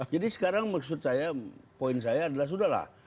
jadi sekarang maksud saya poin saya adalah sudah lah